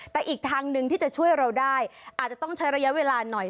แต่อีกทางหนึ่งที่จะช่วยเราได้อาจจะต้องใช้ระยะเวลาหน่อย